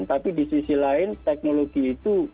tapi di sisi lain teknologi itu